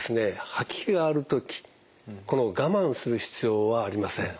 吐き気がある時我慢する必要はありません。